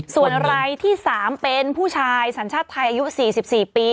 ส่วนรายที่๓เป็นผู้ชายสัญชาติไทยอายุ๔๔ปี